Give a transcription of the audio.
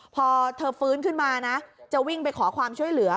พอเธอฟื้นขึ้นมานะจะวิ่งไปขอความช่วยเหลือ